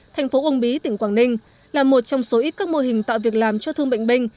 thành phố uông bí tỉnh quảng ninh là một trong số ít các mô hình tạo việc làm cho thương bệnh binh